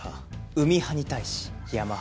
海派に対し山派。